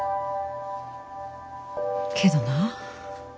けどな。